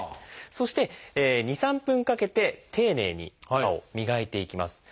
そして２３分かけて丁寧に歯を磨いていきます。